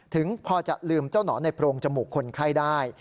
ถึงพอจะลืมเจ้าหนอนในโพรงจมูกคนไข้ได้